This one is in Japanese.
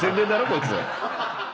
こいつ。